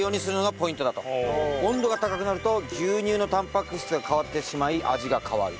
温度が高くなると牛乳のタンパク質が変わってしまい味が変わる。